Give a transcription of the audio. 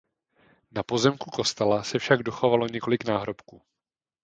Na pozemku kostela se však dochovalo několik náhrobků.